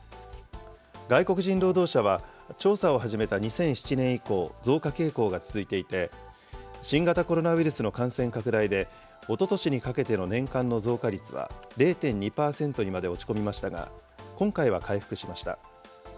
外国人労働者は、調査を始めた２００７年以降、増加傾向が続いていて、新型コロナウイルスの感染拡大で、おととしにかけての年間の増加率は、０．２％にまで落ち込みましたが、今回は回復しました。